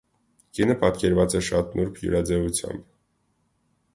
Կինը պատկերված է շատ նուրբ յուրաձևությամբ։